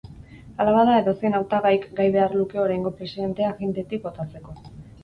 Hala bada, edozein hautagaik gai behar luke oraingo presidentea agintetik botatzeko.